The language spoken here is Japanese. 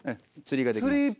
釣りできます。